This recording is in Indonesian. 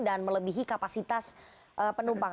dan melebihi kapasitas penumpang